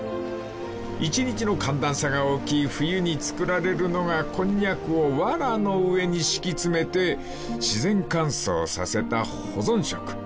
［一日の寒暖差が大きい冬に作られるのがコンニャクをわらの上に敷き詰めて自然乾燥させた保存食］